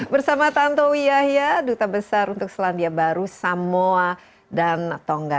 bersama tanto wiyahya duta besar untuk selandia baru samoa dan tongga